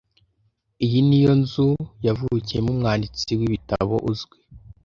Iyi niyo nzu yavukiyemo umwanditsi w'ibitabo uzwi.